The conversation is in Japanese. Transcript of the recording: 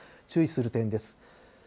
注意する点です。